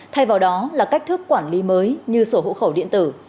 thay vào đó là cách thức quản lý mới như sổ hộ khẩu điện tử